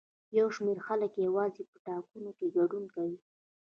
یو شمېر خلک یوازې په ټاکنو کې ګډون کوي.